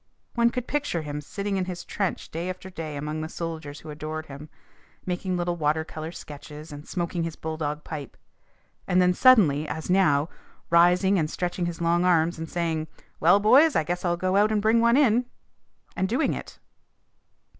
One could picture him sitting in his trench day after day among the soldiers who adored him, making little water colour sketches and smoking his bulldog pipe, and then suddenly, as now, rising and stretching his long arms and saying: "Well, boys, I guess I'll go out and bring one in." And doing it.